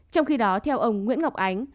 trong khi đó theo ông nguyễn ngọc ánh